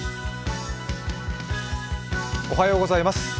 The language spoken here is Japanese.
おはようございます。